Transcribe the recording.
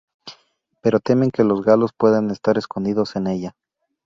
Pero temen que los galos puedan estar escondidos en ella.